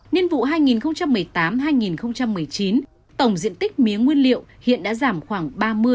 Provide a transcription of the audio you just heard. nhiên vụ hai nghìn một mươi tám hai nghìn một mươi chín tổng diện tích mía nguyên liệu hiện đã giảm khoảng ba mươi ba mươi